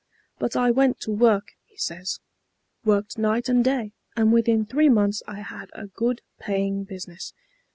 "But I went to work," he says, "worked night and day, and within three months I had a good paying business.